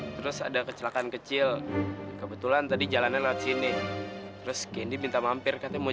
terus ada kecelakaan kecil kebetulan tadi jalannya lewat sini terus kendi minta mampir katanya mau